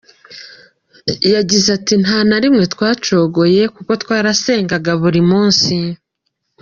Yagize ati “Nta na rimwe twacogoye kuko twarasengaga buri munsi.